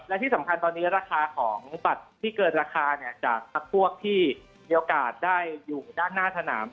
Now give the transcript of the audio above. และที่สำคัญตอนนี้ของบัตรที่เกินราคาจากพวกที่เตียวการตามอยู่หน้าที่หน้าถนาม